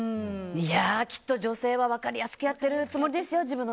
いや、きっと女性は分かりやすくやっているつもりだと思いますよ。